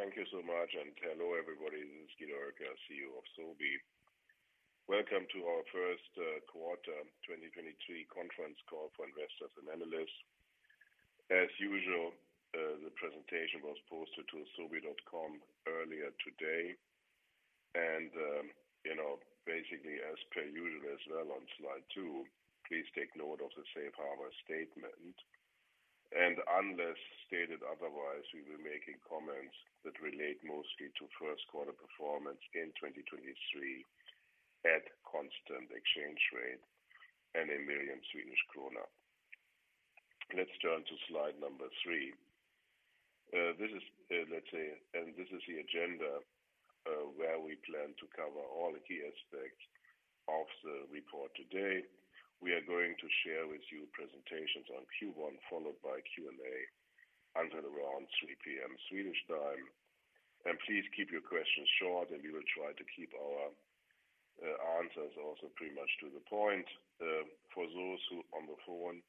Thank you so much. Hello, everybody. This is Guido Oelke, CEO of Sobi. Welcome to our Q1 2023 conference call for investors and analysts. As usual, the presentation was posted to sobi.com earlier today. You know, basically as per usual as well on slide 2, please take note of the Safe Harbor Statement. Unless stated otherwise, we will be making comments that relate mostly to Q1 performance in 2023 at constant exchange rate and in million Swedish kronor. Let's turn to slide number three. This is the agenda, where we plan to cover all the key aspects of the report today. We are going to share with you presentations on Q1, followed by Q&A until around 3:00 P.M. Swedish time. Please keep your questions short, and we will try to keep our answers also pretty much to the point. For those who on the phone,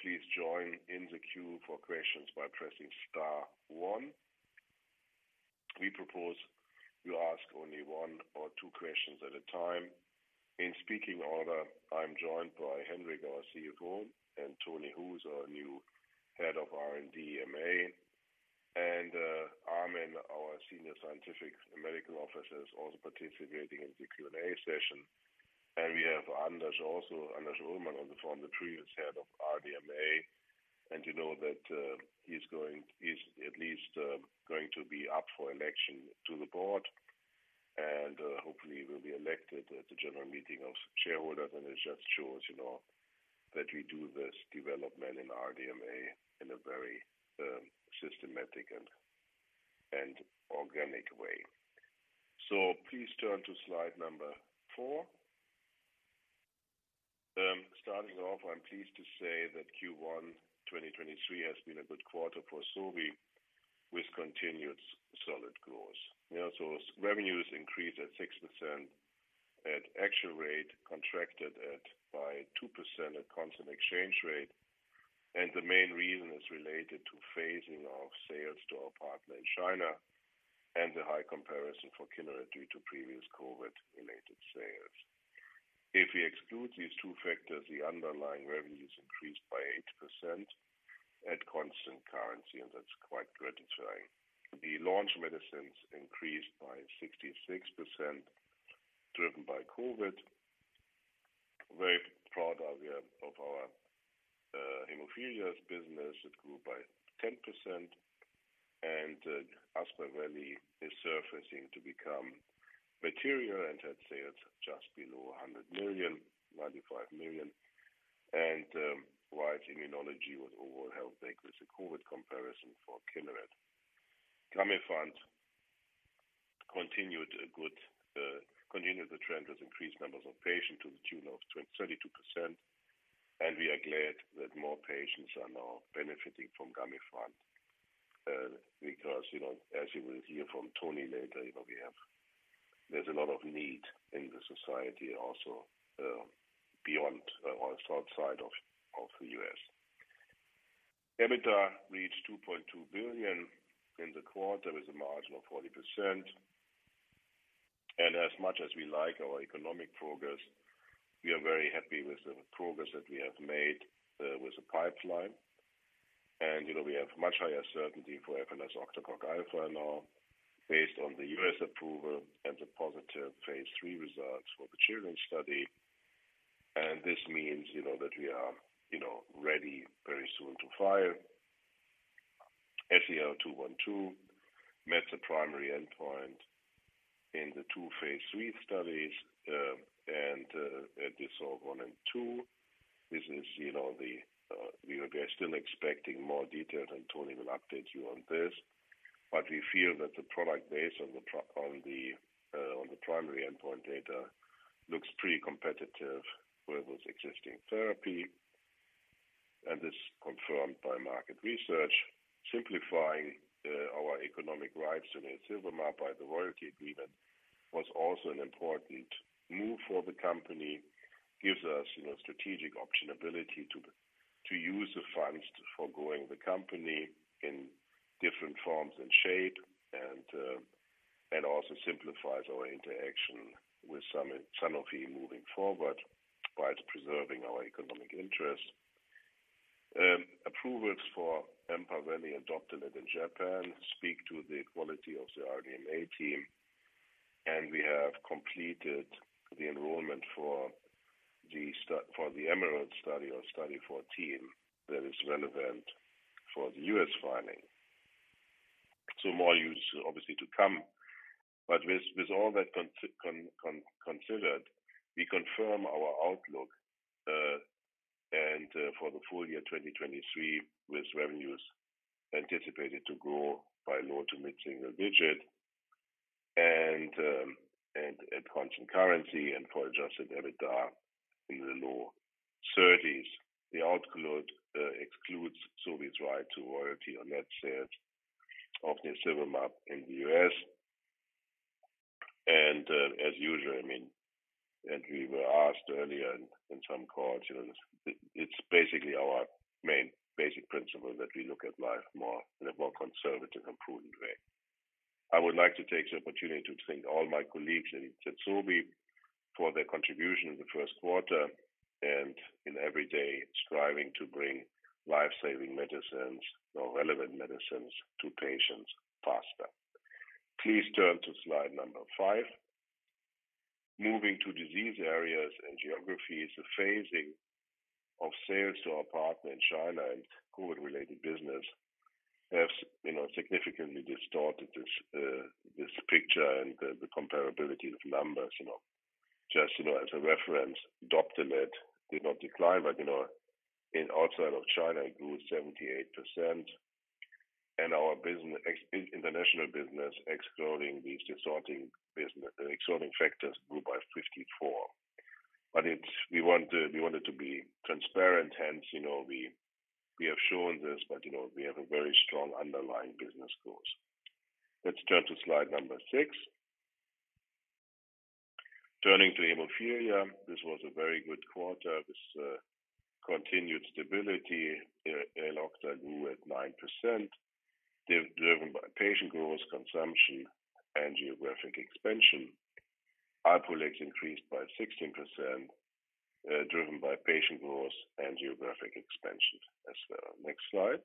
please join in the queue for questions by pressing star one. We propose you ask only one or two questions at a time. In speaking order, I'm joined by Henrik, our CFO, and Tony Hoos, our new Head of R&D MA, and Armin, our Senior Scientific Medical Officer, is also participating in the Q&A session. We have Anders also, Anders Öhman on the phone, the previous Head of RDMA. You know that he's at least going to be up for election to the board and hopefully will be elected at the general meeting of shareholders. It just shows, you know, that we do this development in RDMA in a very systematic and organic way. Please turn to slide number four. Starting off, I'm pleased to say that Q1 2023 has been a good quarter for Sobi with continued solid growth. You know, revenues increased at 6% at actual rate, contracted at by 2% at constant exchange rate. The main reason is related to phasing of sales to our partner in China and the high comparison for Kineret due to previous COVID-related sales. If we exclude these two factors, the underlying revenues increased by 8% at constant currency, and that's quite gratifying. The launch medicines increased by 66%, driven by COVID. Very proud of our hemophilia business. It grew by 10%. Aspaveli is surfacing to become material and had sales just below 100 million, 95 million. Wide immunology was overall held back with the COVID comparison for Kineret. Gamifant continued a good continued the trend with increased numbers of patients to the tune of 32%. We are glad that more patients are now benefiting from Gamifant because, you know, as you will hear from Tony later, you know, there's a lot of need in the society also, beyond or outside of the U.S. EBITDA reached 2.2 billion in the quarter with a margin of 40%. As much as we like our economic progress, we are very happy with the progress that we have made with the pipeline. You know, we have much higher certainty for efanesoctocog alfa now based on the U.S. approval and the positive Phase III results for the children's study. This means, you know, that we are, you know, ready very soon to file. SEL-212 met the primary endpoint in the two Phase 3 studies, DISSOLVE I and DISSOLVE II. This is, you know, we are still expecting more detail. Tony will update you on this. We feel that the product based on the primary endpoint data looks pretty competitive with existing therapy, and it's confirmed by market research. Simplifying our economic rights in nirsevimab by the royalty agreement was also an important move for the company. Gives us, you know, strategic option ability to use the funds for growing the company in different forms and shape and also simplifies our interaction with Sanofi moving forward whilst preserving our economic interests. Approvals for Empaveli and Doptelet in Japan speak to the quality of the RDMA team. We have completed the enrollment for the EMERALD study or Study 4 team that is relevant for the U.S. filing. More news obviously to come. With all that considered, we confirm our outlook for the full year 2023, with revenues anticipated to grow by low-to-mid single-digit and at constant currency and for adjusted EBITDA in the low 30s. The outlook excludes Sobi's right to royalty on net sales of tocilizumab in the U.S. As usual, I mean, we were asked earlier in some calls, you know, it's basically our main basic principle that we look at life more in a more conservative and prudent way. I would like to take the opportunity to thank all my colleagues at Sobi for their contribution in the 1st quarter and in every day striving to bring life-saving medicines or relevant medicines to patients faster. Please turn to slide number 5. Moving to disease areas and geographies, the phasing of sales to our partner in China and COVID-related business have, you know, significantly distorted this picture and the comparability of numbers, you know. Just, you know, as a reference, Doptelet did not decline but, you know, in outside of China it grew 78% and our business international business excluding these distorting business excluding factors grew by 54. It's... We want to, we wanted to be transparent, hence, you know, we have shown this, but, you know, we have a very strong underlying business course. Let's turn to slide 6. Turning to hemophilia, this was a very good quarter. This continued stability. Elocta grew at 9% driven by patient growth, consumption and geographic expansion. Alprolix increased by 16%, driven by patient growth and geographic expansion as well. Next slide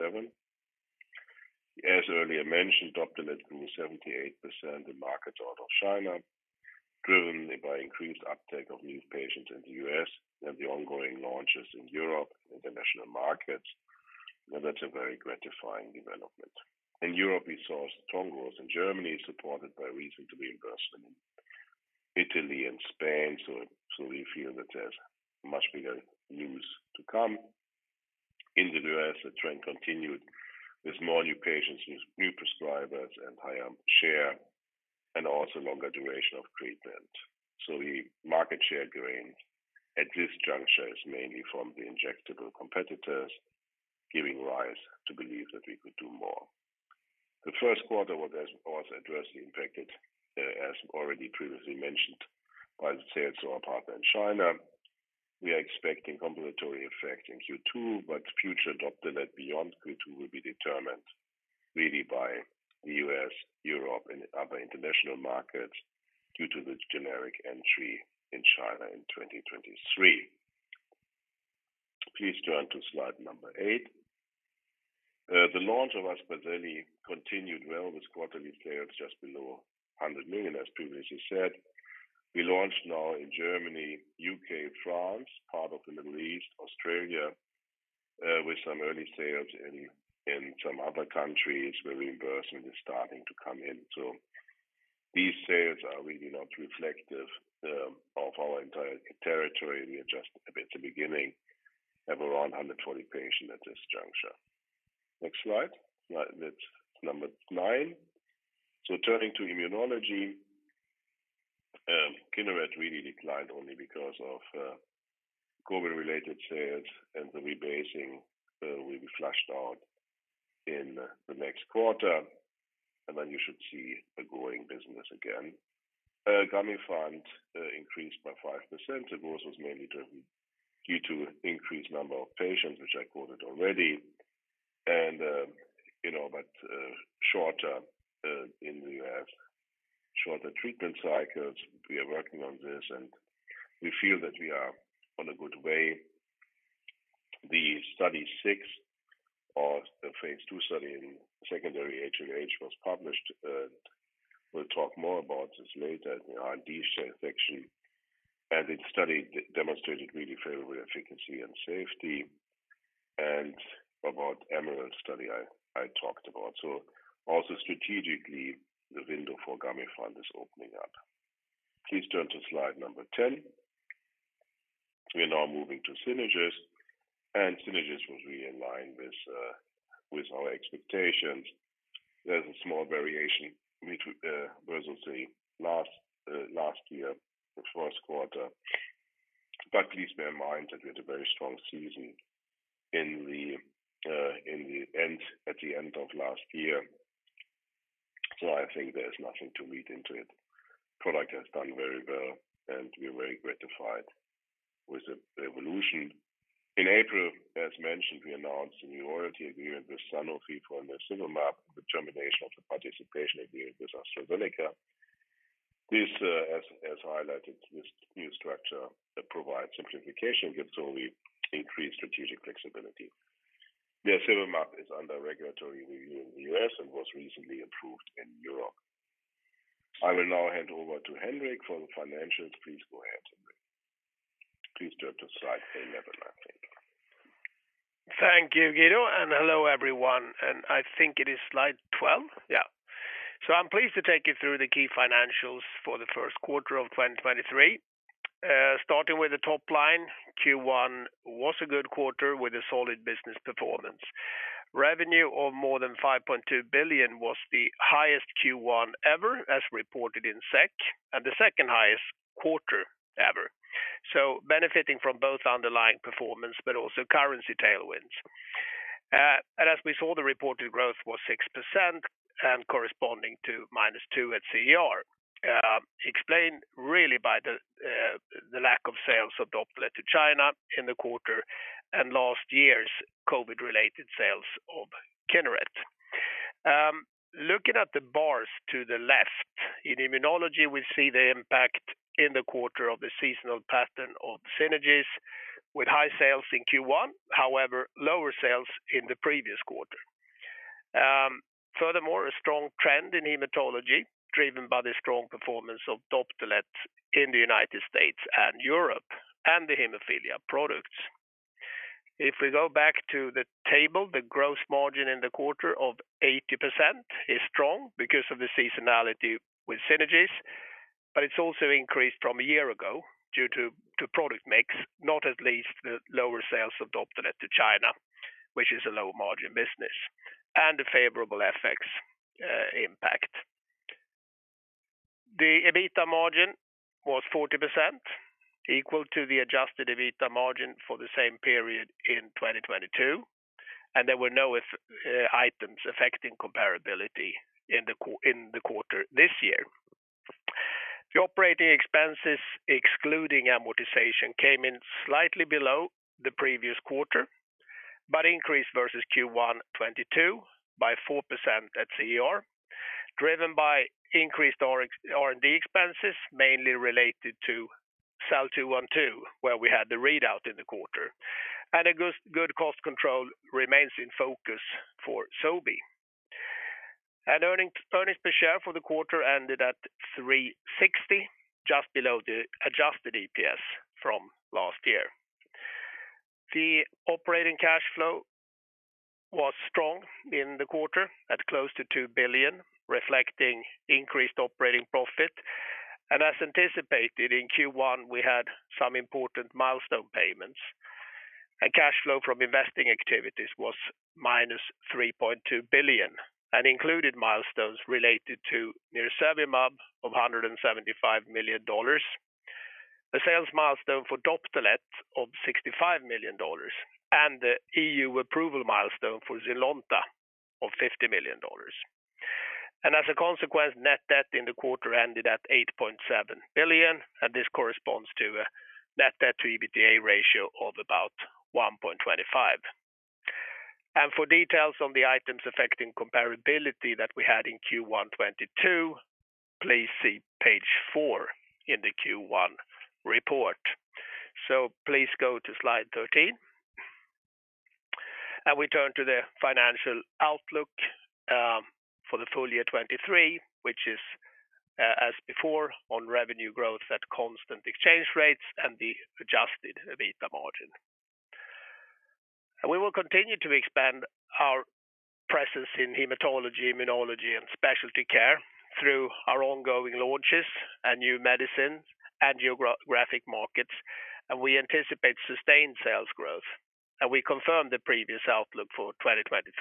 7. As earlier mentioned, Doptelet grew 78% in markets out of China, driven by increased uptake of new patients in the U.S. and the ongoing launches in Europe, international markets. That's a very gratifying development. In Europe, we saw strong growth in Germany supported by recent reimbursement in Italy and Spain, so we feel that there's much bigger news to come. In the U.S., the trend continued with more new patients, new prescribers and higher share, and also longer duration of treatment. The market share gained at this juncture is mainly from the injectable competitors giving rise to believe that we could do more. The first quarter was also adversely impacted as already previously mentioned by the sales to our partner in China. We are expecting ambulatory effect in Q2, future Doptelet beyond Q2 will be determined really by the U.S., Europe and other international markets due to the generic entry in China in 2023. Please turn to slide number 8. The launch of Aspaveli continued well with quarterly sales just below 100 million. As previously said, we launched now in Germany, U.K., France, part of the Middle East, Australia, with some early sales in some other countries where reimbursement is starting to come in. These sales are really not reflective, of our entire territory. We are just a bit the beginning. Have around 140 patients at this juncture. Next slide. Slide that's number nine. Turning to immunology, Kineret really declined only because of COVID-related sales and the rebasing will be flushed out in the next quarter and then you should see a growing business again. Gamifant increased by 5%. The growth was mainly driven due to increased number of patients which I quoted already and, you know, but shorter in the U.S., shorter treatment cycles. We are working on this and we feel that we are on a good way. The Study 6 of the Phase II study in secondary HLH was published. We'll talk more about this later. You know, our D share is actually... Its study demonstrated really favorable efficacy and safety and about EMERALD study I talked about. Also strategically the window for Gamifant is opening up. Please turn to slide number 10. We are now moving to Synagis and Synagis was really in line with our expectations. There's a small variation which versus the last year, the first quarter. Please bear in mind that we had a very strong season in the in the end, at the end of last year. I think there's nothing to read into it. product has done very well and we're very gratified with the evolution. In April, as mentioned, we announced a new royalty agreement with Sanofi for nirsevimab, the termination of the participation agreement with AstraZeneca. This has highlighted this new structure that provides simplification gives only increased strategic flexibility. nirsevimab is under regulatory review in the U.S. and was recently approved in Europe. I will now hand over to Henrik for the financials. Please go ahead, Henrik. Please turn to slide 11 I think. Thank you, Guido. Hello everyone. I think it is slide 12. I'm pleased to take you through the key financials for the first quarter of 2023. Starting with the top line, Q1 was a good quarter with a solid business performance. Revenue of more than 5.2 billion was the highest Q1 ever as reported in SEK, and the second highest quarter, benefiting from both underlying performance but also currency tailwinds. As we saw, the reported growth was 6% and corresponding to -2% at CER, explained really by the lack of sales of Doptelet to China in the quarter and last year's COVID-related sales of Kineret. Looking at the bars to the left, in immunology, we see the impact in the quarter of the seasonal pattern of Synagis with high sales in Q1, however, lower sales in the previous quarter. Furthermore, a strong trend in hematology driven by the strong performance of Doptelet in the United States and Europe and the hemophilia products. If we go back to the table, the gross margin in the quarter of 80% is strong because of the seasonality with Synagis, but it's also increased from a year ago due to product mix, not at least the lower sales of Doptelet to China, which is a low-margin business, and the favorable FX impact. The EBITDA margin was 40%, equal to the adjusted EBITDA margin for the same period in 2022, and there were no items affecting comparability in the quarter this year. The operating expenses, excluding amortization, came in slightly below the previous quarter, but increased versus Q1 2022 by 4% at CER, driven by increased R&D expenses, mainly related to SEL-212, where we had the readout in the quarter. Good cost control remains in focus for Sobi. Earnings per share for the quarter ended at 3.60, just below the adjusted EPS from last year. The operating cash flow was strong in the quarter at close to 2 billion, reflecting increased operating profit. As anticipated, in Q1, we had some important milestone payments. Cash flow from investing activities was -3.2 billion and included milestones related to nirsevimab of $175 million, a sales milestone for Doptelet of $65 million, and the EU approval milestone for Zynlonta of $50 million. As a consequence, net debt in the quarter ended at 8.7 billion, and this corresponds to a net debt to EBITDA ratio of about 1.25. For details on the items affecting comparability that we had in Q1 2022, please see page 4 in the Q1 report. Please go to slide 13. We turn to the financial outlook for the full year 2023, which is as before, on revenue growth at constant exchange rates and the adjusted EBITDA margin. We will continue to expand our presence in hematology, immunology, and specialty care through our ongoing launches and new medicines and geographic markets, and we anticipate sustained sales growth. We confirm the previous outlook for 2023,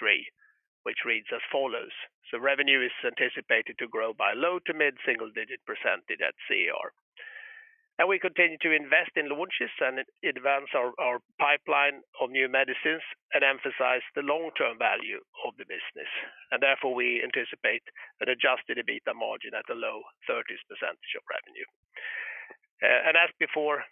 which reads as follows. Revenue is anticipated to grow by low- to mid-single-digit percentage at CER. We continue to invest in launches and advance our pipeline of new medicines and emphasize the long-term value of the business. Therefore, we anticipate an adjusted EBITDA margin at the low 30s % of revenue. As before,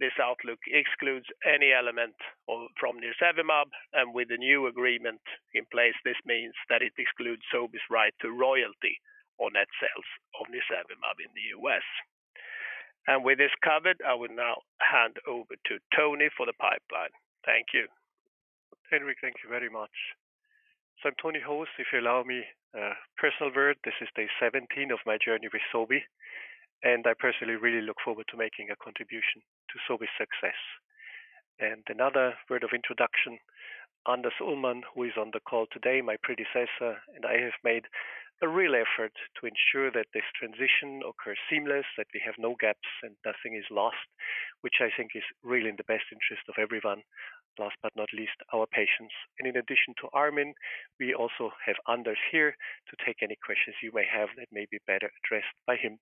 this outlook excludes any element of, from nirsevimab. With the new agreement in place, this means that it excludes Sobi's right to royalty on net sales of nirsevimab in the U.S. With this covered, I will now hand over to Tony for the pipeline. Thank you. Henrik, thank you very much. I'm Tony Hoos. If you allow me a personal word, this is day 17 of my journey with Sobi, and I personally really look forward to making a contribution to Sobi's success. Another word of introduction, Anders Öhman, who is on the call today, my predecessor, and I have made a real effort to ensure that this transition occurs seamless, that we have no gaps and nothing is lost, which I think is really in the best interest of everyone, last but not least, our patients. In addition to Armin, we also have Anders here to take any questions you may have that may be better addressed by him.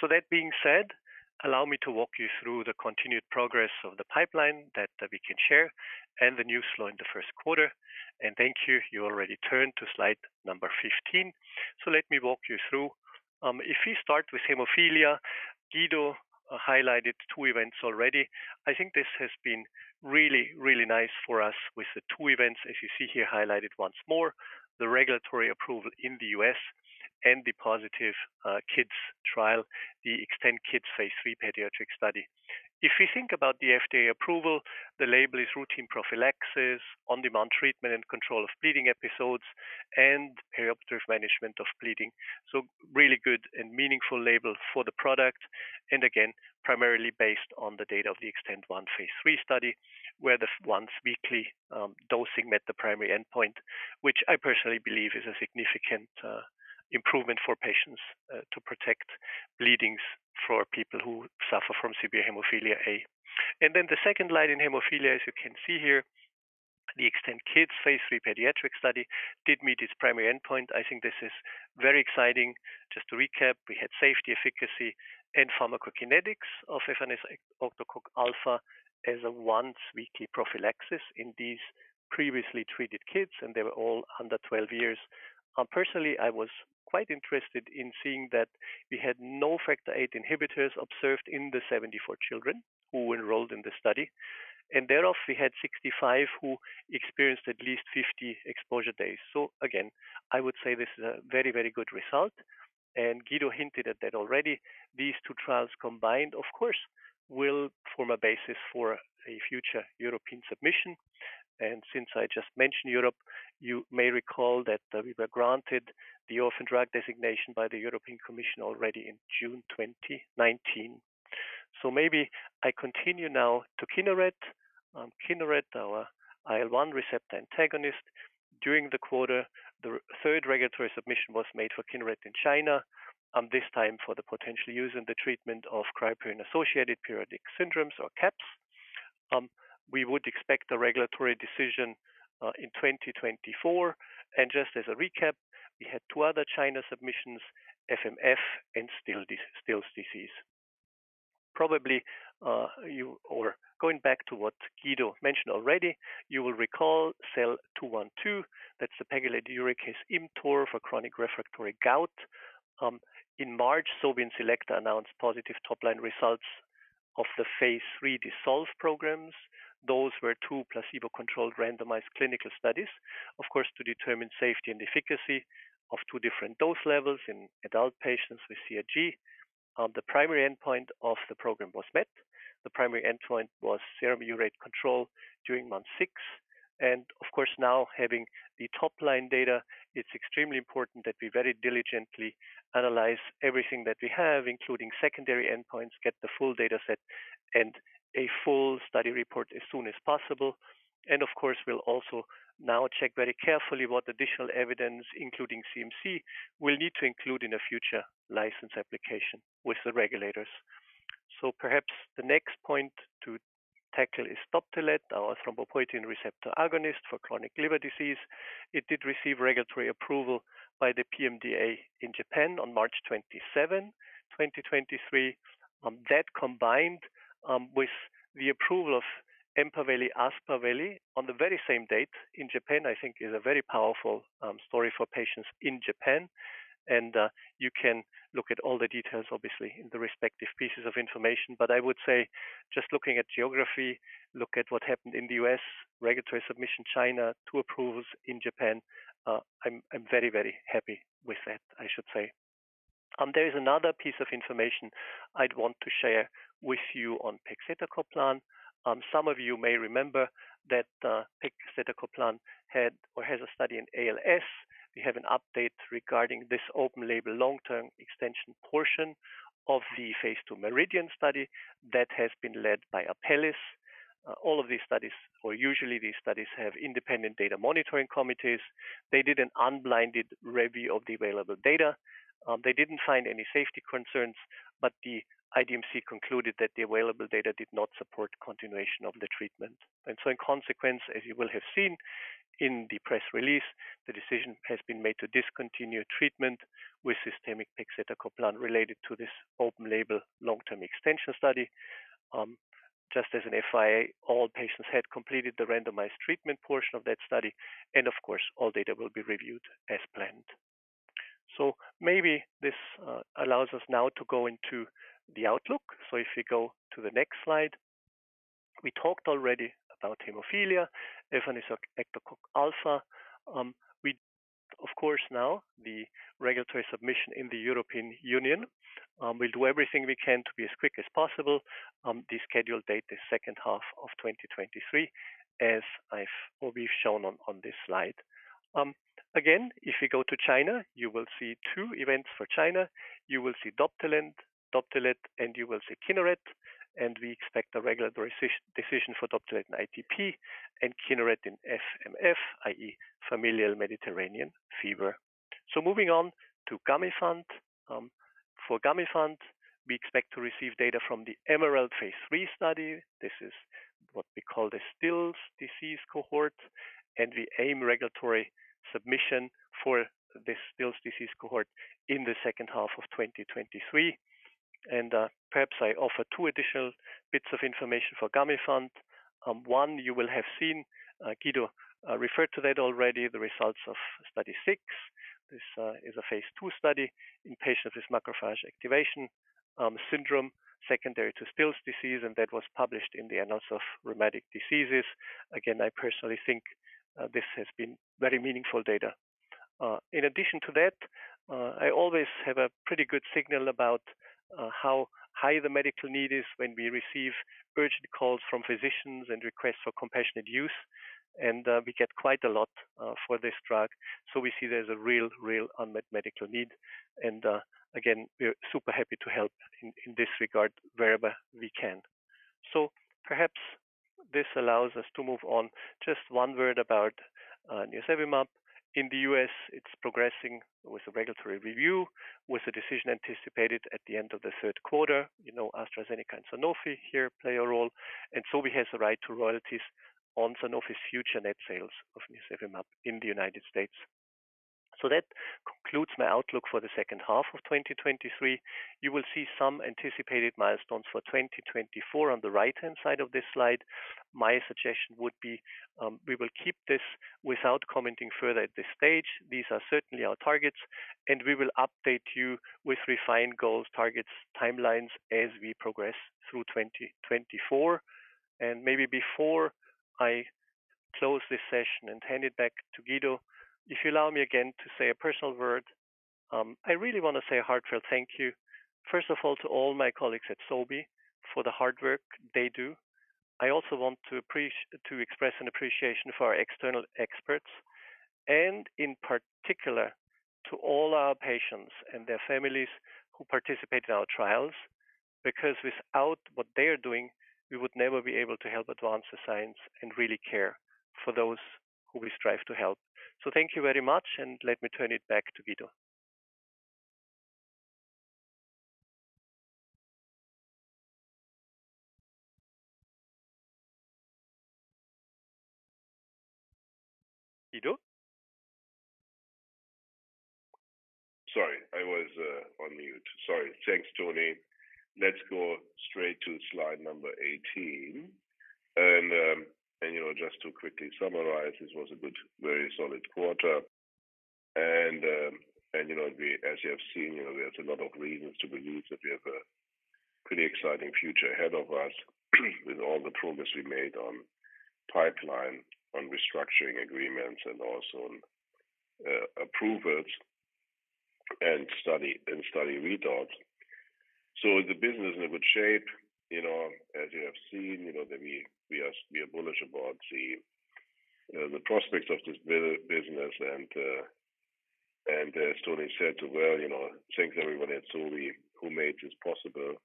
That being said, allow me to walk you through the continued progress of the pipeline that we can share and the news flow in the first quarter. Thank you. You already turned to slide number 15. Let me walk you through. If we start with hemophilia, Guido highlighted two events already. I think this has been really, really nice for us with the two events, as you see here highlighted once more, the regulatory approval in the U.S. and the positive XTEND-Kids Phase III pediatric study. If we think about the FDA approval, the label is routine prophylaxis, on-demand treatment and control of bleeding episodes, and perioperative management of bleeding. Really good and meaningful label for the product, and again, primarily based on the data of the XTEND-1 Phase III study, where the once-weekly dosing met the primary endpoint, which I personally believe is a significant improvement for patients to protect bleedings for people who suffer from severe hemophilia A. Then the second light in haemophilia, as you can see here. The XTEND-Kids Phase 3 pediatric study did meet its primary endpoint. I think this is very exciting. Just to recap, we had safety, efficacy, and pharmacokinetics of efanesoctocog alfa as a once-weekly prophylaxis in these previously treated kids, and they were all under 12 years. Personally, I was quite interested in seeing that we had no factor VIII inhibitors observed in the 74 children who enrolled in the study. Thereof, we had 65 who experienced at least 50 exposure days. Again, I would say this is a very, very good result, and Guido hinted at that already. These two trials combined, of course, will form a basis for a future European submission. Since I just mentioned Europe, you may recall that we were granted the orphan drug designation by the European Commission already in June 2019. Maybe I continue now to Kineret. Kineret, our IL-1 receptor antagonist. During the quarter, the third regulatory submission was made for Kineret in China, this time for the potential use in the treatment of cryopyrin-associated periodic syndromes or CAPS. We would expect a regulatory decision in 2024. Just as a recap, we had two other China submissions, FMF and Still's disease. Probably going back to what Guido mentioned already, you will recall SEL-212, that's the pegloticase ImmTOR for chronic refractory gout. In March, Sobi and Selecta announced positive top-line results of the Phase III DISSOLVE programs. Those were two placebo-controlled, randomized clinical studies, of course, to determine safety and efficacy of 2 different dose levels in adult patients with CRG. The primary endpoint of the program was met. The primary endpoint was serum urate control during month 6. Now having the top-line data, it's extremely important that we very diligently analyze everything that we have, including secondary endpoints, get the full dataset and a full study report as soon as possible. We'll also now check very carefully what additional evidence, including CMC, we'll need to include in a future license application with the regulators. Perhaps the next point to tackle is Doptelet, our thrombopoietin receptor agonist for chronic liver disease. It did receive regulatory approval by the PMDA in Japan on March 27, 2023. That combined with the approval of Empaveli Aspaveli on the very same date in Japan, I think is a very powerful story for patients in Japan. You can look at all the details, obviously, in the respective pieces of information. But I would say just looking at geography, look at what happened in the U.S. regulatory submission, China, two approvals in Japan, I'm very, very happy with that, I should say. There is another piece of information I'd want to share with you on pegcetacoplan. Some of you may remember that pegcetacoplan had or has a study in ALS. We have an update regarding this open-label long-term extension portion of the Phase II MERIDIAN study that has been led by Apellis. All of these studies or usually these studies have independent data monitoring committees. They did an unblinded review of the available data. They didn't find any safety concerns, but the IDMC concluded that the available data did not support continuation of the treatment. In consequence, as you will have seen in the press release, the decision has been made to discontinue treatment with systemic pegcetacoplan related to this open-label long-term extension study. Just as an FYI, all patients had completed the randomized treatment portion of that study, and of course, all data will be reviewed as planned. Maybe this allows us now to go into the outlook. If you go to the next slide. We talked already about hemophilia, efanesoctocog alfa. We of course now the regulatory submission in the European Union. We'll do everything we can to be as quick as possible. The scheduled date is second half of 2023, as we've shown on this slide. Again, if you go to China, you will see two events for China. You will see Doptelet, and you will see Kineret. We expect a regulatory decision for Doptelet in ITP and Kineret in FMF, i.e., familial Mediterranean fever. Moving on to Gamifant. For Gamifant, we expect to receive data from the EMERALD Phase 3 study. This is what we call the Still's disease cohort. We aim regulatory submission for the Still's disease cohort in the second half of 2023. Perhaps I offer two additional bits of information for Gamifant. One, you will have seen Guido refer to that already, the results of Study 6. This is a Phase II study in patients with macrophage activation syndrome secondary to Still's disease. That was published in the Annals of the Rheumatic Diseases. I personally think this has been very meaningful data. In addition to that, I always have a pretty good signal about how high the medical need is when we receive urgent calls from physicians and requests for compassionate use, and we get quite a lot for this drug. We see there's a real unmet medical need. Again, we're super happy to help in this regard wherever we can. Perhaps this allows us to move on. Just one word about nirsevimab in the U.S., it's progressing with a regulatory review, with a decision anticipated at the end of the third quarter. You know, AstraZeneca and Sanofi here play a role, and Sobi has the right to royalties on Sanofi's future net sales of nirsevimab in the United States. That concludes my outlook for the second half of 2023. You will see some anticipated milestones for 2024 on the right-hand side of this slide. My suggestion would be, we will keep this without commenting further at this stage. These are certainly our targets, and we will update you with refined goals, targets, timelines as we progress through 2024. Maybe before I close this session and hand it back to Guido, if you allow me again to say a personal word. I really want to say a heartfelt thank you, first of all, to all my colleagues at Sobi for the hard work they do. I also want to express an appreciation for our external experts and in particular to all our patients and their families who participate in our trials, because without what they are doing, we would never be able to help advance the science and really care for those who we strive to help. Thank you very much, and let me turn it back to Guido. Guido? Sorry, I was on mute. Sorry. Thanks, Tony. Let's go straight to slide number 18. You know, just to quickly summarize, this was a good, very solid quarter. You know, as you have seen, you know, there's a lot of reasons to believe that we have a pretty exciting future ahead of us with all the progress we made on pipeline, on restructuring agreements, and also on approvals and study readouts. The business is in a good shape. You know, as you have seen, you know, that we are bullish about the, you know, the prospects of this business. As Tony said, well, you know, thanks everyone at Sobi who made this possible,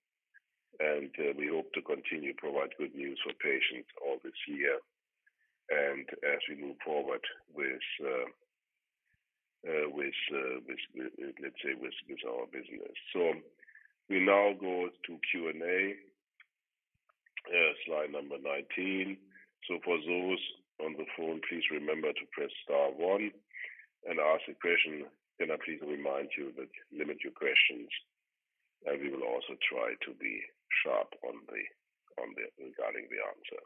we hope to continue provide good news for patients all this year and as we move forward with our business. We now go to Q&A, slide 19. For those on the phone, please remember to press star one and ask the question. Can I please remind you that limit your questions, and we will also try to be sharp on the regarding the answer.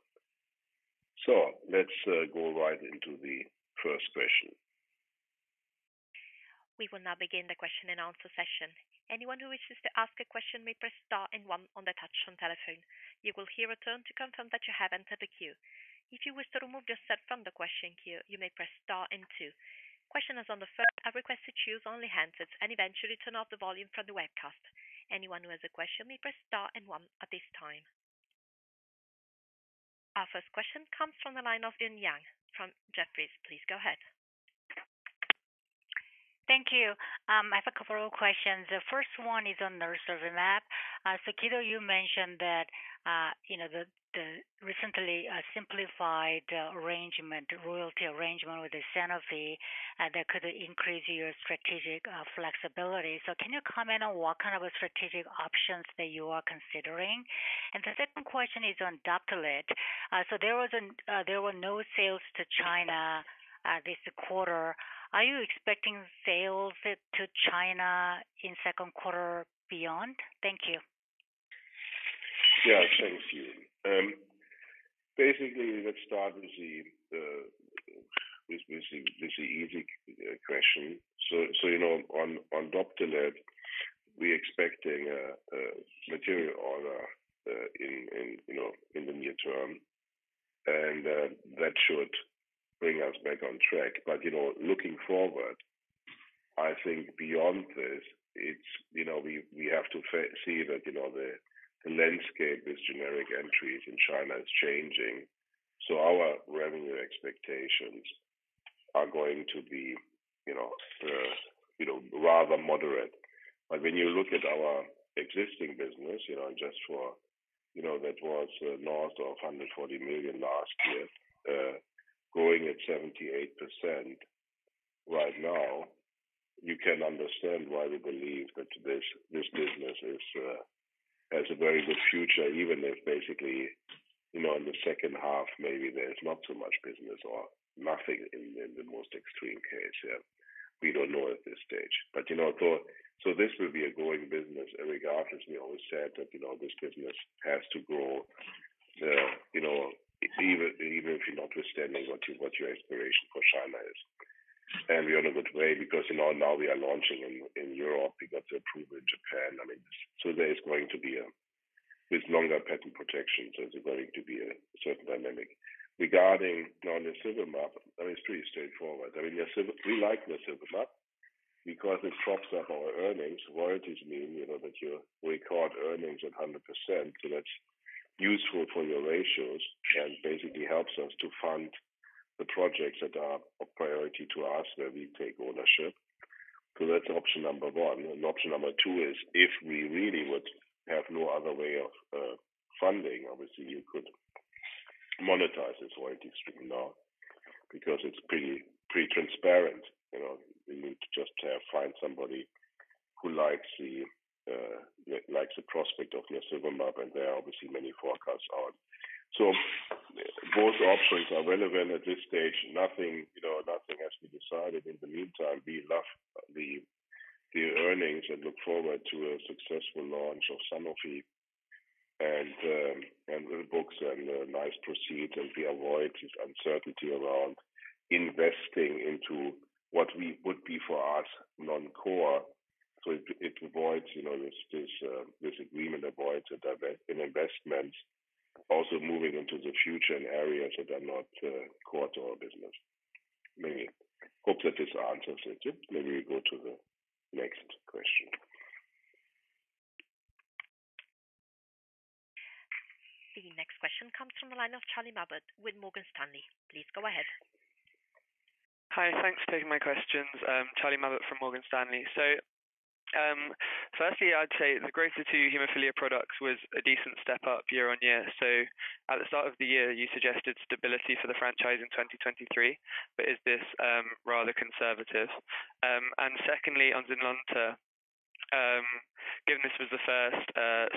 Let's go right into the first question. We will now begin the question and answer session. Anyone who wishes to ask a question may press star and one on the touch-tone telephone. You will hear a tone to confirm that you have entered the queue. If you wish to remove yourself from the question queue, you may press star and two. Questioners on the phone are requested to use only handsets and eventually turn off the volume from the webcast. Anyone who has a question may press star and one at this time. Our first question comes from the line of Yun Yang from Jefferies. Please go ahead. Thank you. I have a couple of questions. The first one is on nirsevimab. Guido, you mentioned that, you know, the recently, simplified arrangement, royalty arrangement with Sanofi, that could increase your strategic, flexibility. Can you comment on what kind of strategic options that you are considering? The second question is on Doptelet. there were no sales to China, this quarter. Are you expecting sales to China in second quarter beyond? Thank you. Yeah. Thank you. Basically, let's start with the easy question. You know, on Doptelet, we're expecting a material order in, you know, in the near term, and that should bring us back on track. You know, looking forward, I think beyond this, it's, you know, we have to see that, you know, the landscape with generic entries in China is changing. Our revenue expectations are going to be, you know, rather moderate. When you look at our existing business, you know, just for, you know, that was north of 140 million last year, growing at 78% right now, you can understand why we believe that this business has a very good future, even if basically, you know, in the second half, maybe there's not so much business or nothing in the most extreme case. Yeah. We don't know at this stage. You know, so this will be a growing business irregardless. We always said that, you know, this business has to grow, you know, even if you're notwithstanding what your aspiration for China is. We're on a good way because, you know, now we are launching in Europe. We got the approval in Japan. I mean, so there is going to be a... With longer patent protection, there's going to be a certain dynamic. Regarding nirsevimab, that is pretty straightforward. I mean, yes, we like nirsevimab because it props up our earnings. Royalties mean, you know, that you record earnings at 100%, so that's useful for your ratios and basically helps us to fund the projects that are of priority to us, that we take ownership. That's option number one. Option number two, is if we really would have no other way of funding, obviously you could monetize this royalty stream now because it's pretty transparent. You know, we need to just find somebody who likes the prospect of nirsevimab, and there are obviously many forecasts on. Both options are relevant at this stage. Nothing, you know, nothing has to be decided. In the meantime, we love the earnings and look forward to a successful launch of Sanofi and good books and nice proceeds, and we avoid this uncertainty around investing into what we would be for us non-core. It, it avoids, you know, this agreement avoids an investment also moving into the future in areas that are not core to our business. Maybe. Hope that this answers it. Yep. Maybe we go to the next question. The next question comes from the line of Charlie Mabbutt with Morgan Stanley. Please go ahead. Hi. Thanks for taking my questions. I'm Charlie Mabbutt from Morgan Stanley. Firstly, I'd say the growth of two hemophilia products was a decent step up year on year. At the start of the year, you suggested stability for the franchise in 2023, but is this rather conservative? Secondly, on Zynlonta, given this was the first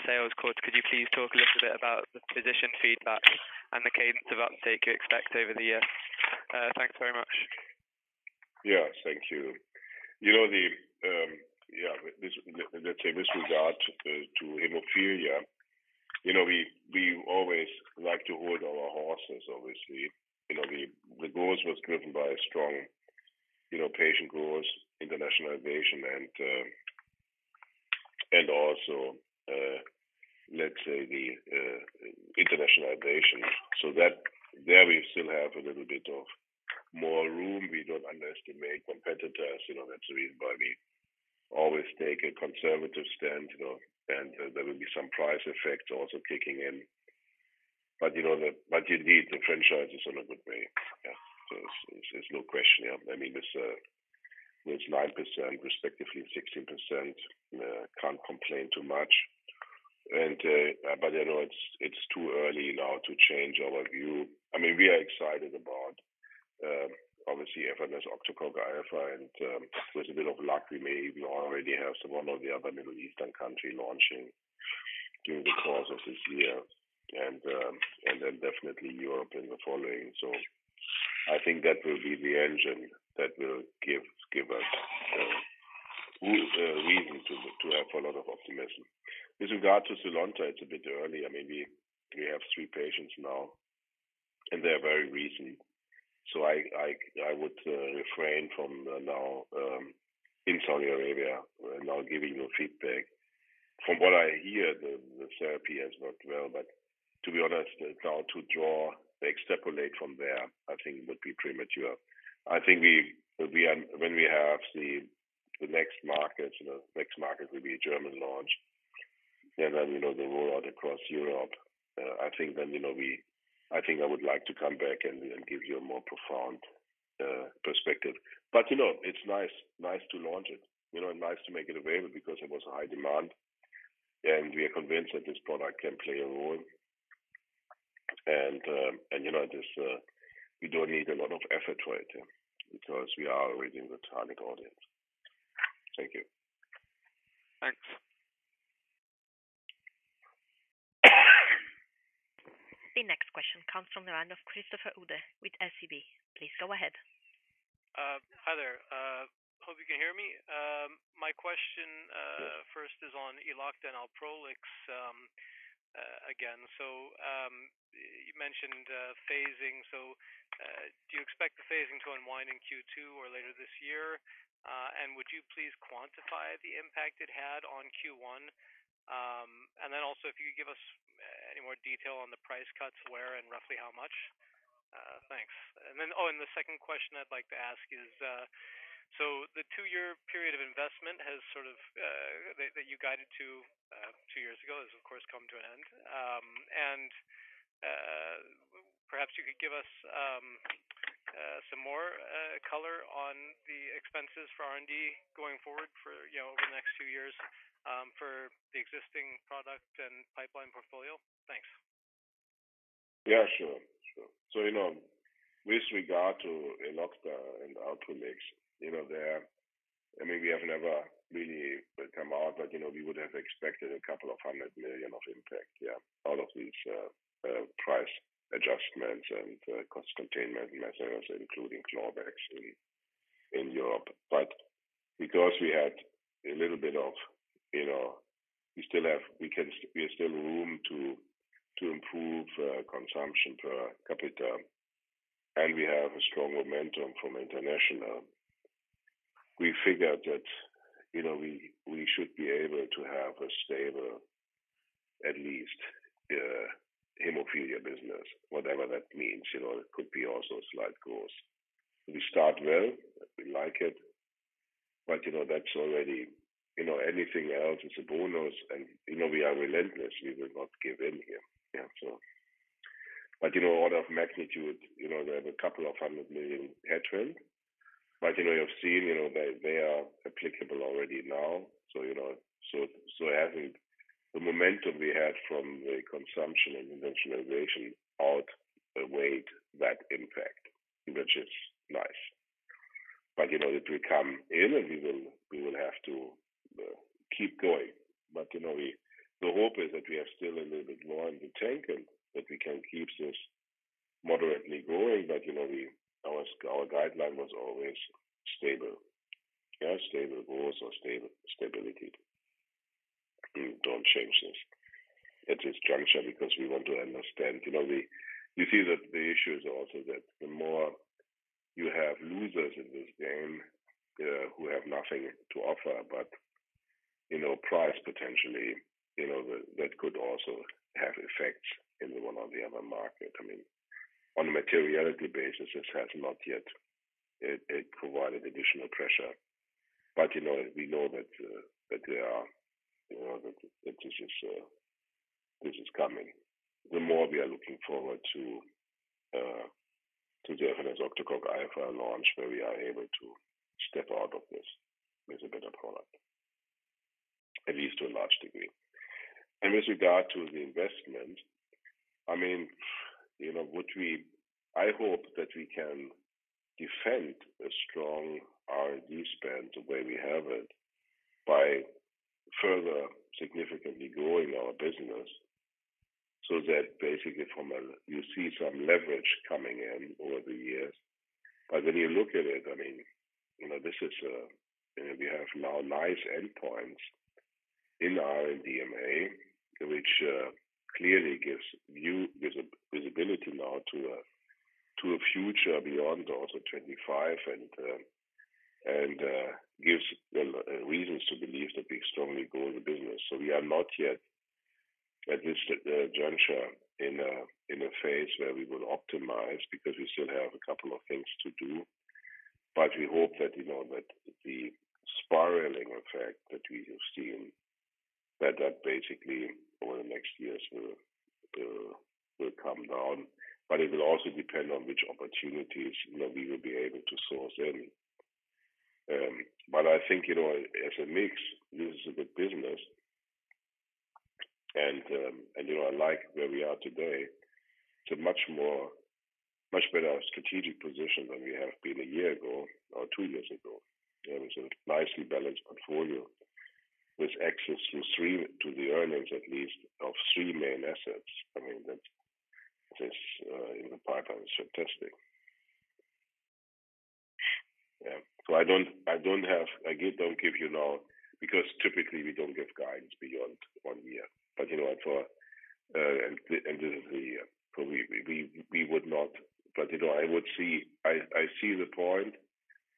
sales quarter, could you please talk a little bit about the physician feedback and the cadence of uptake you expect over the year? Thanks very much. Yeah. Thank you. You know, Let's say this regard to hemophilia, you know, we always like to hold our horses, obviously. You know, the growth was driven by a strong, you know, patient growth, internationalization, and also, let's say the internationalization. That there we still have a little bit of more room. We don't underestimate competitors, you know. That's the reason why we always take a conservative stand, you know, and there will be some price effects also kicking in. You know, indeed the franchise is in a good way. Yeah. There's no question. Yeah. I mean, it's 9%, respectively 16%. Can't complain too much. You know, it's too early now to change our view. I mean, we are excited about efanesoctocog alfa and with a bit of luck we already have some one or the other Middle Eastern country launching during the course of this year and then definitely Europe in the following. I think that will be the engine that will give us reason to have a lot of optimism. With regard to Zynlonta, it's a bit early. I mean, we have 3 patients now, and they're very recent. I would refrain from now in Saudi Arabia, now giving you feedback. From what I hear, the therapy has worked well, to be honest, now to draw, to extrapolate from there, I think would be premature. I think we are When we have the next market, you know, next market will be German launch, and then, you know, the rollout across Europe, I think then, you know, I would like to come back and give you a more profound perspective. You know, it's nice to launch it, you know, and nice to make it available because there was a high demand, and we are convinced that this product can play a role. You know, this, we don't need a lot of effort to it, because we are already in the target audience. Thank you. Thanks. The next question comes from the line of Christopher Uhde with SEB. Please go ahead. Hi there. Hope you can hear me. My question, first is on Elocta and Alprolix, again. You mentioned phasing. Do you expect the phasing to unwind in Q2 or later this year? Would you please quantify the impact it had on Q1? Then also if you could give us any more detail on the price cuts, where and roughly how much? Thanks. Oh, the second question I'd like to ask is, so the 2-year period of investment has sort of, that you guided to, two years ago, has of course come to an end. Perhaps you could give us some more color on the expenses for R&D going forward for, you know, over the next few years, for the existing product and pipeline portfolio. Thanks. Yeah, sure. Sure. You know, with regard to Elocta and Alprolix, you know, I mean, we have never really come out but, you know, we would have expected a SEK couple of 100 million of impact, yeah, out of these price adjustments and cost containment measures, including clawbacks in Europe. Because we had a little bit of, you know, we have still room to improve consumption per capita, and we have a strong momentum from international. We figured that, you know, we should be able to have a stable, at least, hemophilia business, whatever that means. You know, it could be also slight growth. We start well. We like it. You know, that's already, you know... Anything else is a bonus. You know, we are relentless. We will not give in here. But, you know, order of magnitude, you know, they have a couple of 100 million SEK headroom. You know, you've seen, you know, they are applicable already now, so, you know. As in the momentum we had from the consumption and the nationalization outweighed that impact, which is nice. It will come in, and we will have to keep going. The hope is that we are still a little bit low in the tank and that we can keep this moderately growing. Our guideline was always stable. Stable growth or stability. We don't change this at this juncture because we want to understand. You know, we see that the issue is also that the more you have losers in this game, who have nothing to offer but, you know, price potentially, you know, that could also have effects in the one or the other market. I mean, on a materiality basis, this has not yet it provided additional pressure. You know, we know that there are, you know, that this is, this is coming. The more we are looking forward to the efanesoctocog alfa launch, where we are able to step out of this with a better product, at least to a large degree. With regard to the investment, I mean, you know, I hope that we can defend a strong R&D spend the way we have it by further significantly growing our business, so that basically from a-- you see some leverage coming in over the years. When you look at it, I mean, you know, this is, you know, we have now nice endpoints in our RDMA, which clearly gives new visibility now to a, to a future beyond also 2025 and, gives them reasons to believe that we strongly grow the business. We are not yet at this juncture in a, in a phase where we will optimize because we still have a couple of things to do. We hope that, you know, that the spiraling effect that we have seen, that basically over the next years will come down. It will also depend on which opportunities, you know, we will be able to source in. I think, you know, as a mix, this is a good business and, you know, I like where we are today. It's a much more, much better strategic position than we have been 1 year ago or 2 years ago. There is a nicely balanced portfolio with access to the earnings at least of 3 main assets. I mean, that is in a part fantastic. Yeah. I don't give you now because typically we don't give guidance beyond one year. You know, for the end of the year, so we would not. You know, I see the point.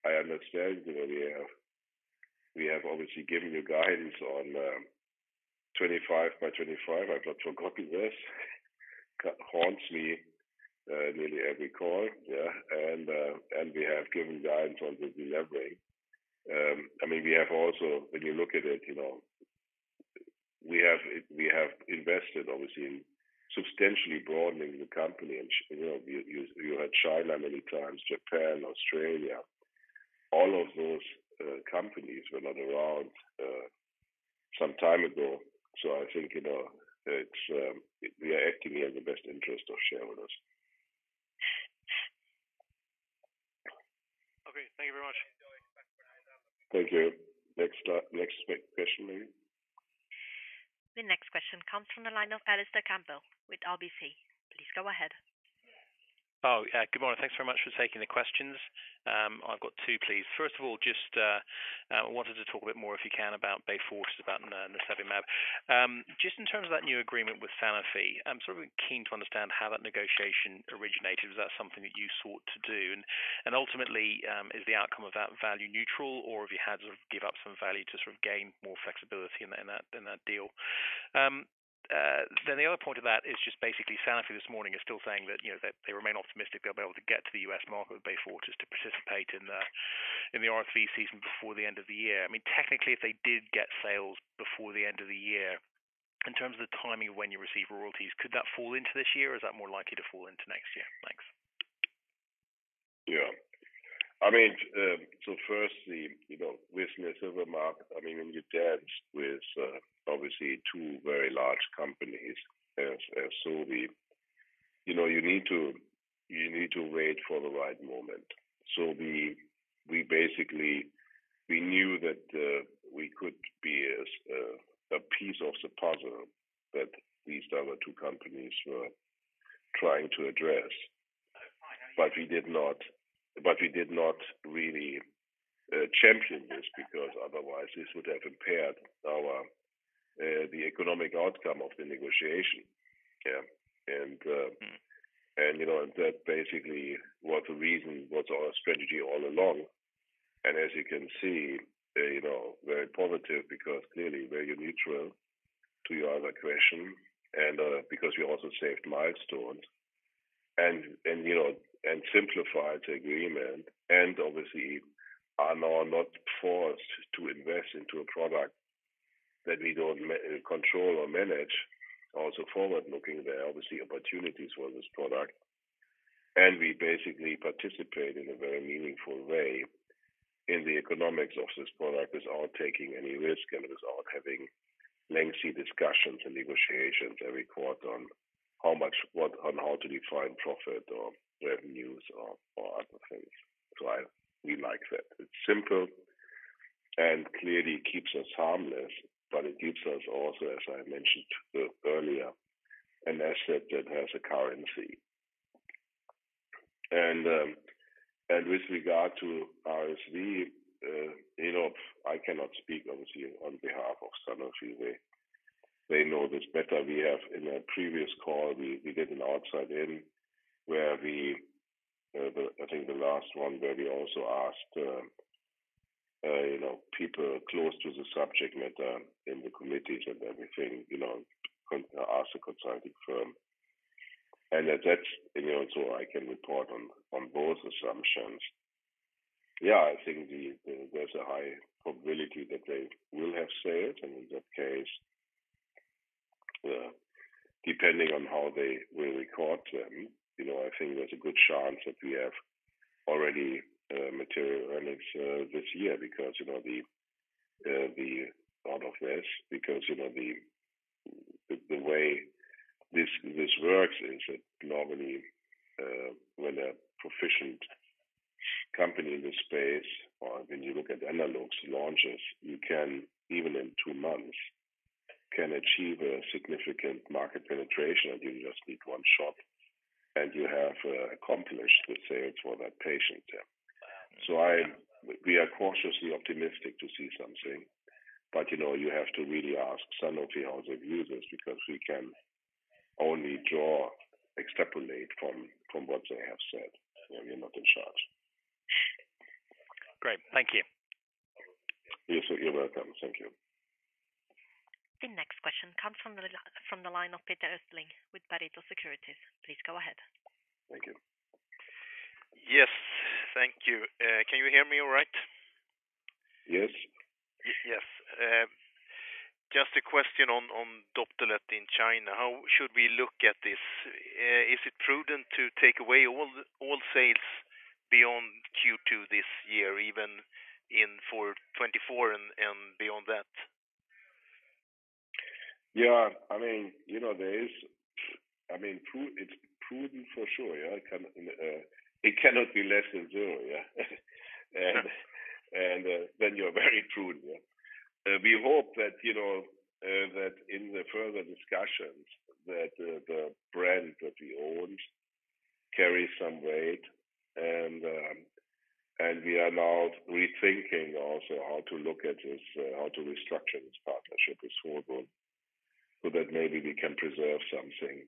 I understand, you know, we have obviously given you guidance on 25 by 25. I've got to copy this. Haunts me nearly every call. We have given guidance on the delivery. I mean, when you look at it, you know, we have invested obviously in substantially broadening the company. You know, you had China many times, Japan, Australia. All of those companies were not around some time ago. I think, you know, it's, we are acting in the best interest of shareholders. Okay. Thank you very much. Thank you. Next, next question maybe? The next question comes from the line of Alistair Campbell with RBC. Please go ahead. Oh, yeah. Good morning. Thanks very much for taking the questions. I've got two, please. First of all, just, I wanted to talk a bit more, if you can, about Beyfortus, about nirsevimab. Just in terms of that new agreement with Sanofi, I'm sort of keen to understand how that negotiation originated. Was that something that you sought to do? Ultimately, is the outcome of that value neutral or have you had to give up some value to sort of gain more flexibility in that deal? The other point of that is just basically Sanofi this morning is still saying that, you know, that they remain optimistic they'll be able to get to the U.S. market with Beyfortus to participate in the RSV season before the end of the year. I mean, technically, if they did get sales before the end of the year, in terms of the timing of when you receive royalties, could that fall into this year, or is that more likely to fall into next year? Thanks. Yeah. I mean, firstly, you know, with nirsevimab, I mean, when you dabbed with, obviously two very large companies as you know, you need to wait for the right moment. We basically, we knew that we could be a piece of the puzzle that these other two companies were trying to address. Oh, fine. We did not really champion this because otherwise this would have impaired our the economic outcome of the negotiation. Yeah. Mm-hmm. You know, that basically was the reason, was our strategy all along. As you can see, you know, very positive because clearly very neutral to your other question and because we also saved milestones and, you know, and simplified the agreement and obviously are now not forced to invest into a product that we don't control or manage. Forward-looking, there are obviously opportunities for this product, and we basically participate in a very meaningful way in the economics of this product without taking any risk and without having lengthy discussions and negotiations every quarter on how much on how to define profit or revenues or other things. I-- we like that. It's simple and clearly keeps us harmless, but it gives us also, as I mentioned earlier, an asset that has a currency. With regard to RSV, you know, I cannot speak obviously on behalf of Sanofi. They know this better. We have in a previous call, we did an outside-in where we, I think the last one where we also asked, you know, people close to the subject matter in the committees and everything, you know, ask a consulting firm. At that, you know, so I can report on both assumptions. I think the there's a high probability that they will have sales. In that case, depending on how they will record them, you know, I think there's a good chance that we have already material earnings this year because, you know, the way this works is that normally, when a proficient company in this space or when you look at analogs launches, you can, even in 2 months, can achieve a significant market penetration, and you just need one shot, and you have accomplished the sales for that patient. I-- we are cautiously optimistic to see something. You know, you have to really ask Sanofi how they view this because we can only extrapolate from what they have said, and we are not in charge. Great. Thank you. Yes. You're welcome. Thank you. The next question comes from the line of Peter Östling with Berenberg. Please go ahead. Thank you. Yes. Thank you. Can you hear me all right? Yes. Yes. Just a question on Doptelet in China. How should we look at this? Is it prudent to take away all sales beyond Q2 this year, even in for 2024 and beyond that? Yeah. I mean, you know, it's prudent for sure, yeah. It cannot be less than zero, yeah. You're very prudent. We hope that, you know, in the further discussions that the brand that we own carries some weight and we are now rethinking also how to look at this, how to restructure this partnership with Sanofi so that maybe we can preserve something.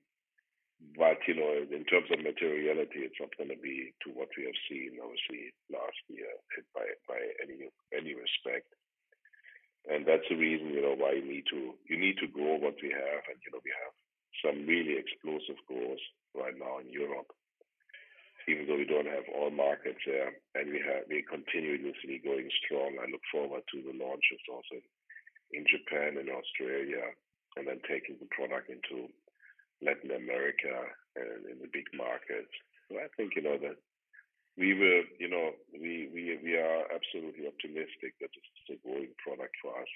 You know, in terms of materiality, it's not gonna be to what we have seen obviously last year by any respect. That's the reason, you know, why we need to grow what we have. You know, we have some really explosive growth right now in Europe, even though we don't have all markets there. We're continuously going strong. I look forward to the launches also in Japan and Australia, then taking the product into Latin America and in the big markets. I think, you know, that we will, you know... We are absolutely optimistic that this is a growing product for us,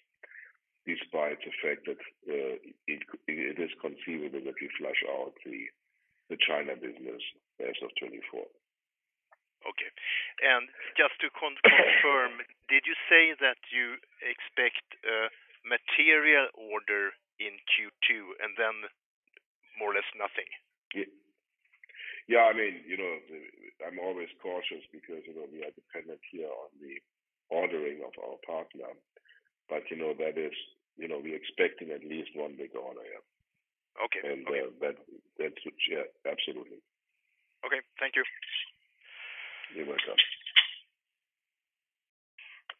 despite the fact that it is conceivable that we flush out the China business as of 2024. Okay. just to confirm, did you say that you expect a material order in Q2 and then more or less nothing? Yeah. I mean, you know, I'm always cautious because, you know, we are dependent here on the ordering of our partner. You know, we're expecting at least one big order, yeah. Okay. Okay. That should, yeah. Absolutely. Okay. Thank you. You're welcome.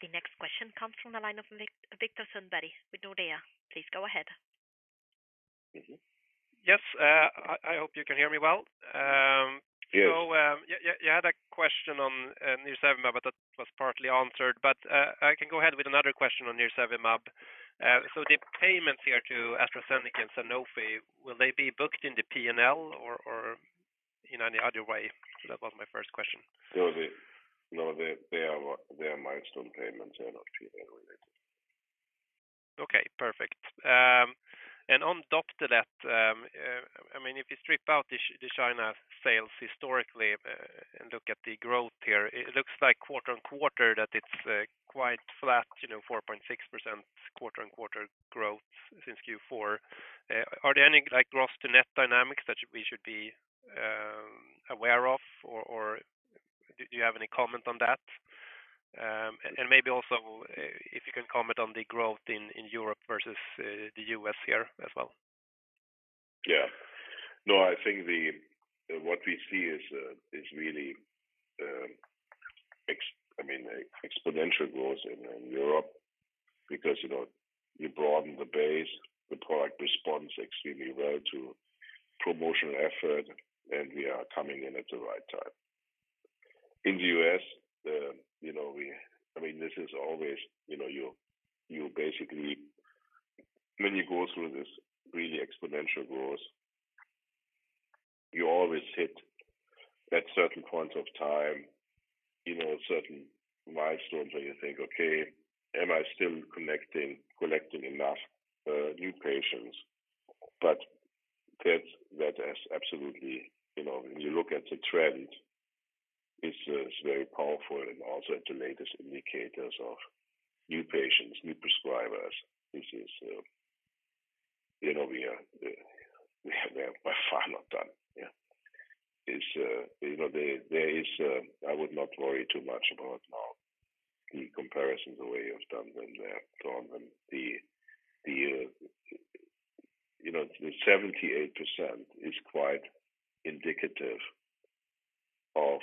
The next question comes from the line of Viktor Sundberg with Nordea. Please go ahead. Mm-hmm. Yes. I hope you can hear me well. Yes. Yeah, I had a question on nirsevimab, but that was partly answered. I can go ahead with another question on nirsevimab. The payments here to AstraZeneca and Sanofi, will they be booked in the P&L or in any other way? That was my first question. No. They are milestone payments. They are not P&L related. Okay. Perfect. On Doptelet, I mean, if you strip out the China sales historically, and look at the growth here, it looks like quarter-on-quarter that it's quite flat, you know, 4.6% quarter-on-quarter growth since Q4. Are there any, like, gross to net dynamics that we should be aware of or do you have any comment on that? Maybe also, if you can comment on the growth in Europe versus the U.S. here as well. Yeah. No, I think what we see is really, I mean, exponential growth in Europe because, you know, we broaden the base. The product responds extremely well to promotional effort. We are coming in at the right time. In the U.S., you know, I mean, this is always, you know, you basically when you go through this really exponential growth, you always hit at certain points of time, you know, certain milestones where you think, "Okay, am I still collecting enough new patients?" That has absolutely, you know, when you look at the trend, it's very powerful and also at the latest indicators of new patients, new prescribers. This is, you know, we are by far not done. Yeah. It's. You know, there is. I would not worry too much about now the comparisons the way you've done them there, Christopher. The, you know, the 78% is quite indicative of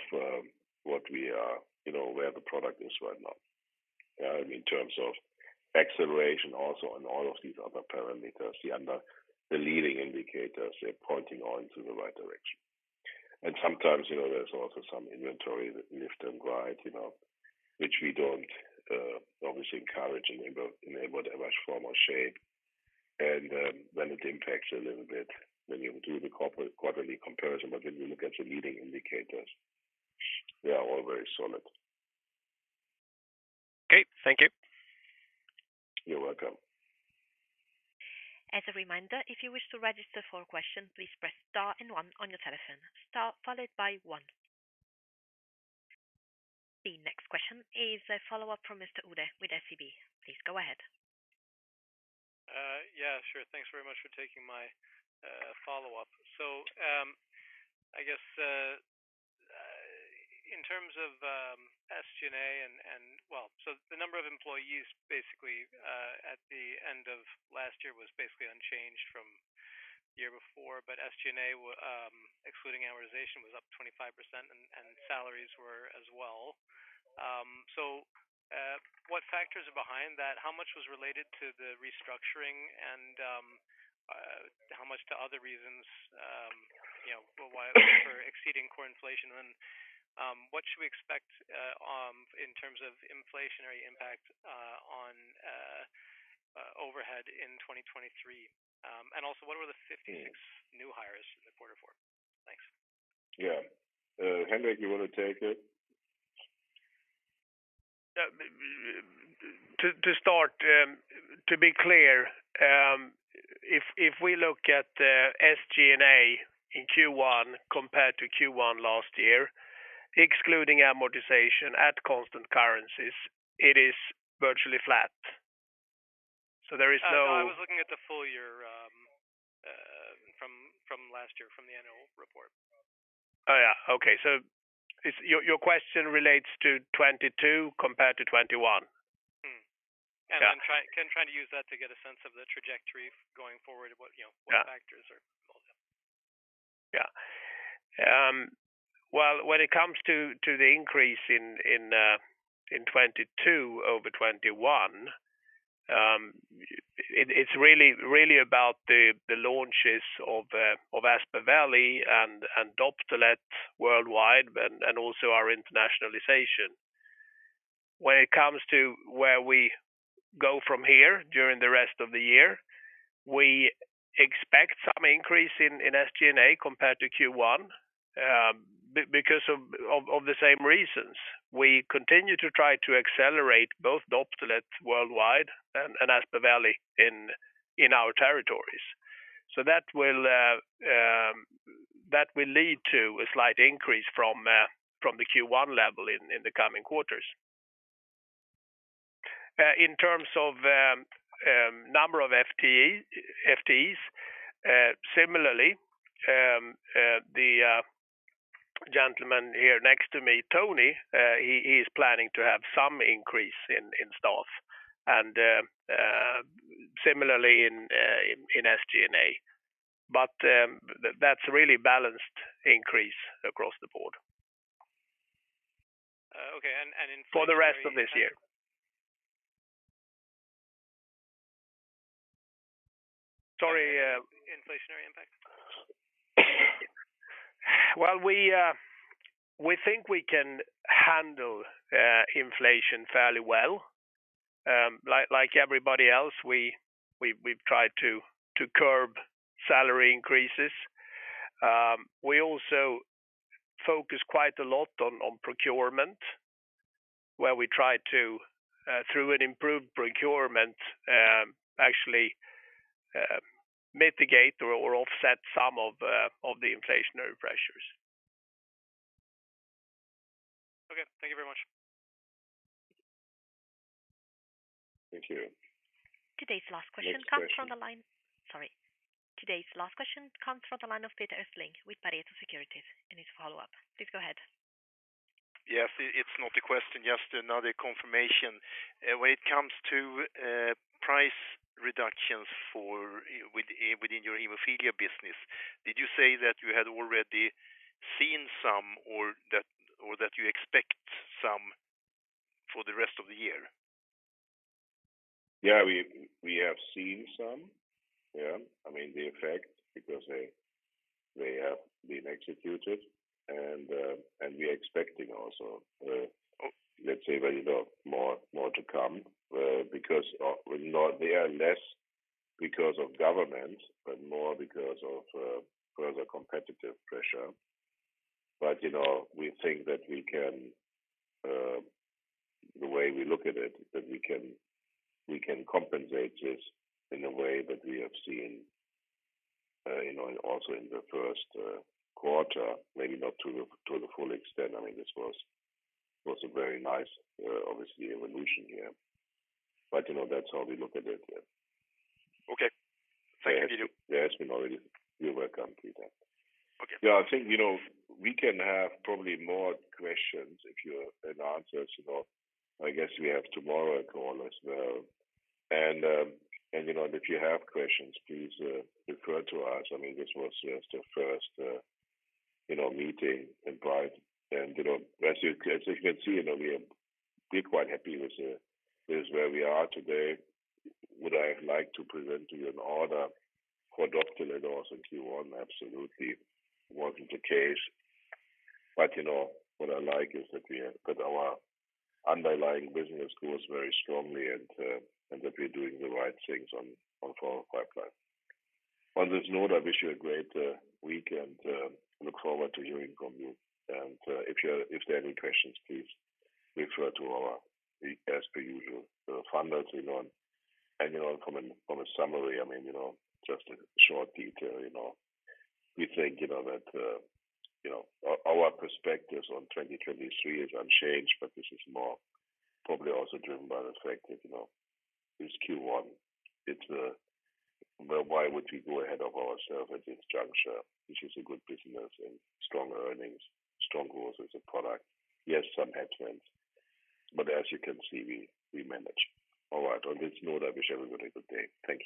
what we are, you know, where the product is right now. In terms of acceleration also and all of these other parameters, the leading indicators, they're pointing all into the right direction. Sometimes, you know, there's also some inventory left and right, you know, which we don't obviously encourage in any whatever form or shape. When it impacts a little bit when you do the corporate quarterly comparison, but when you look at the leading indicators, they are all very solid. Okay. Thank you. You're welcome. As a reminder, if you wish to register for a question, please press star and one on your telephone. Star followed by one. The next question is a follow-up from Mr. Uhde with SEB. Please go ahead. Yeah, sure. Thanks very much for taking my follow-up. I guess in terms of SG&A and the number of employees at the end of last year was unchanged from the year before. SG&A excluding amortization was up 25% and salaries were as well. What factors are behind that? How much was related to the restructuring and how much to other reasons, you know, but why we're exceeding core inflation? What should we expect in terms of inflationary impact on overhead in 2023? What were the 56 new hires in the quarter for? Thanks. Yeah. Henrik, you wanna take it? Yeah. To start, to be clear, if we look at SG&A in Q1 compared to Q1 last year, excluding amortization at constant currencies, it is virtually flat. No. I was looking at the full year, from last year, from the annual report. Oh, yeah. Okay. It's Your question relates to 2022 compared to 2021? Mm. Yeah. I'm trying to use that to get a sense of the trajectory going forward, what, you know. Yeah. What factors are involved. Yeah. Well, when it comes to the increase in 2022 over 2021, it's really about the launches of Aspaveli and Doptelet worldwide and also our internationalization. When it comes to where we go from here during the rest of the year, we expect some increase in SG&A compared to Q1 because of the same reasons. We continue to try to accelerate both Doptelet worldwide and Aspaveli in our territories. That will lead to a slight increase from the Q1 level in the coming quarters. In terms of number of FTEs, similarly, the gentleman here next to me, Tony, he is planning to have some increase in staff and similarly in SG&A. That's really balanced increase across the board. Okay. Inflationary impact? For the rest of this year. Sorry, Inflationary impact. Well, we think we can handle inflation fairly well. Like everybody else, we've tried to curb salary increases. We also focus quite a lot on procurement, where we try to, through an improved procurement, actually, mitigate or offset some of the inflationary pressures. Okay. Thank you very much. Thank you. Today's last question comes from the line- Next question. Sorry. Today's last question comes from the line of Peter Östling with Pareto Securities. It's a follow-up. Please go ahead. Yes. It's not a question, just another confirmation. When it comes to price reductions within your hemophilia business, did you say that you had already seen some or that you expect some for the rest of the year? We have seen some. I mean, the effect, because they have been executed and we are expecting also, let's say, well, you know, more to come because of not they are less because of government, but more because of further competitive pressure. But, you know, we think that we can, the way we look at it, that we can, we can compensate this in a way that we have seen, you know, also in the first quarter, maybe not to the full extent. I mean, this was a very nice, obviously evolution here. But, you know, that's how we look at it, yeah. Okay. Thank you, Billy. Yes. Yes, you know it. You're welcome, Peter. Okay. I think, you know, we can have probably more questions if you and answers, you know. I guess we have tomorrow a call as well. You know, and if you have questions, please refer to us. I mean, this was just a first, you know, meeting in private. You know, as you, as you can see, you know, we are pretty quite happy with where we are today. Would I like to present to you an order for Doptelet or since Q1? Absolutely wasn't the case. You know, what I like is that our underlying business grows very strongly and that we're doing the right things on our pipeline. On this note, I wish you a great week and look forward to hearing from you. If there are any questions, please refer to our, as per usual, funders, you know, and, you know, from a, from a summary, I mean, you know, just a short detail, you know. We think, you know, that, you know, our perspectives on 2023 is unchanged, but this is more probably also driven by the fact that, you know, this Q1, it's... Well, why would we go ahead of ourselves at this juncture? This is a good business and strong earnings, strong growth as a product. Yes, some headwinds, but as you can see, we manage. All right. On this note, I wish everybody a good day. Thank you.